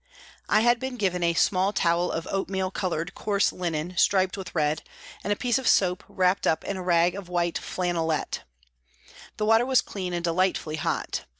I had been given a small towel of oatmeal coloured coarse linen striped with red, and a piece of soap wrapped up in a rag of white flannelette. The water was clean and delightfully hot.